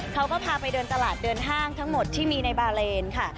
เขาก็พาไปเดินตลาดเดินห้างทั้งหมดที่มีในบาเลนค่ะ